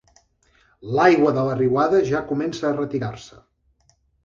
L'aigua de la riuada ja comença a retirar-se.